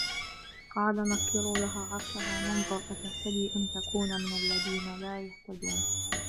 قَالَ نَكِّرُوا لَهَا عَرْشَهَا نَنْظُرْ أَتَهْتَدِي أَمْ تَكُونُ مِنَ الَّذِينَ لَا يَهْتَدُونَ